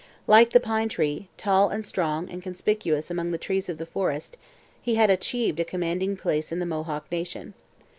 Like the pine tree, tall and strong and conspicuous among the trees of the forest, he had achieved a commanding place in the Mohawk nation.